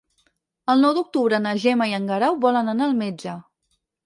El nou d'octubre na Gemma i en Guerau volen anar al metge.